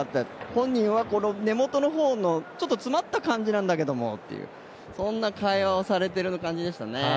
本人は、根本のほうのちょっと詰まった感じなんだけどもっていうそんな会話をされている感じでしたね。